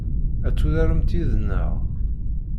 Ad turaremt yid-neɣ?